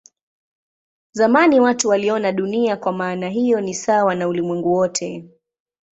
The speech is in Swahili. Zamani watu waliona Dunia kwa maana hiyo ni sawa na ulimwengu wote.